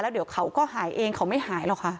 เดี๋ยวเขาก็หายเองเขาไม่หายหรอกค่ะ